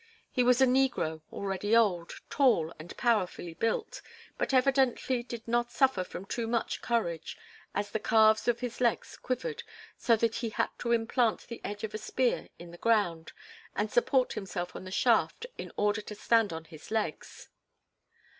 He was a negro, already old, tall and powerfully built, but evidently did not suffer from too much courage, as the calves of his legs quivered so that he had to implant the edge of a spear in the ground and support himself on the shaft in order to stand on his legs.